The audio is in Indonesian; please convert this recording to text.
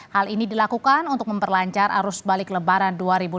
hal ini dilakukan untuk memperlancar arus balik lebaran dua ribu dua puluh